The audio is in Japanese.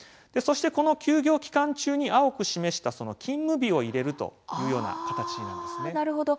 そして、この休業期間中に青く示した勤務日を入れるというような形なんですね。